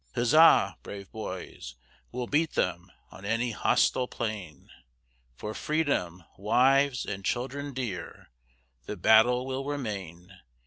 Huzza! brave boys, we'll beat them On any hostile plain; For Freedom, wives, and children dear, The battle we'll maintain.